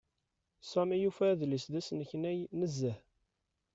Sami yufa adlis d asneknay nezzeh.